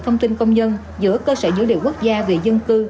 thông tin công nhân giữa cơ sở dữ liệu quốc gia về dân cư